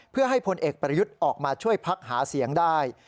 เพื่อให้พลเอกประยุทธ์ออกมาช่วยพักหาเสียงได้